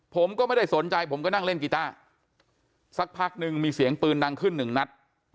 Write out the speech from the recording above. ผมก็ไม่ได้สนใจผมก็นั่งเล่นกีต้าสักพักนึงมีเสียงปืนดังขึ้นหนึ่งนัด